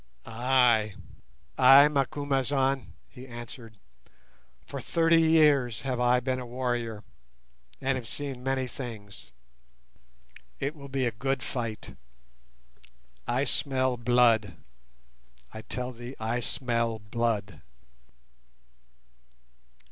"Ay, ay, Macumazahn," he answered. "For thirty years have I been a warrior, and have seen many things. It will be a good fight. I smell blood—I tell thee, I smell blood."